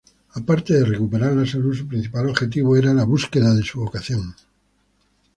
Aparte de recuperar la salud, su principal objetivo era la búsqueda de su vocación.